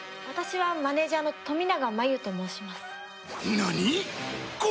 私はマネジャーの富永真由と申します。